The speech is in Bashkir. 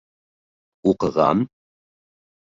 Уҡыған...